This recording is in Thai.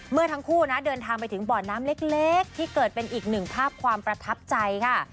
เมื่อทั้งคู่นะเดินทางไปถึงบ่อน้ำเล็กที่เกิดเป็นอีกหนึ่งภาพความประทับใจค่ะ